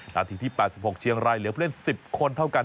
นาทีที่๘๖เชียงรายเหลือผู้เล่น๑๐คนเท่ากัน